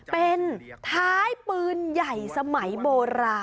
เป็นท้ายปืนใหญ่สมัยโบราณ